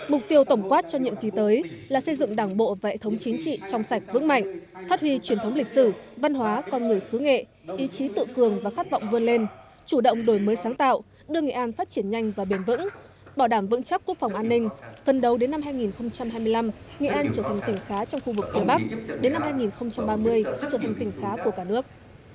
mục tiêu tổng quát cho nhiệm kỳ tới là xây dựng đảng bộ vệ thống chính trị trong sạch vững mạnh phát huy truyền thống lịch sử văn hóa con người xứ nghệ ý chí tự cường và khát vọng vươn lên chủ động đổi mới sáng tạo đưa nghệ an phát triển nhanh và bền vững bảo đảm vững chắc quốc phòng an ninh phân đấu đến năm hai nghìn hai mươi năm nghệ an trở thành tỉnh khá trong khu vực phía bắc đến năm hai nghìn ba mươi trở thành tỉnh khá của cả nước